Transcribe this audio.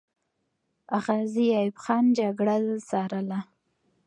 غازي ایوب خان جګړه ځارله.